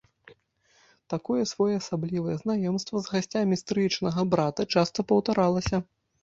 Такое своеасаблівае знаёмства з гасцямі стрыечнага брата часта паўтаралася.